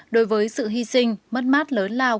đối với sự hy sinh mất mát lớn lao